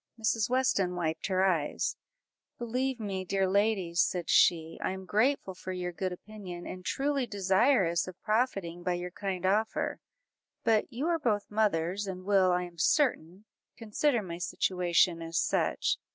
Mrs. Weston wiped her eyes "Believe me, dear ladies," said she, "I am grateful for your good opinion, and truly desirous of profiting by your kind offer; but you are both mothers, and will, I am certain, consider my situation as such.